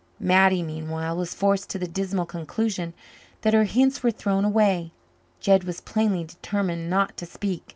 Mattie, meanwhile, was forced to the dismal conclusion that her hints were thrown away. Jed was plainly determined not to speak.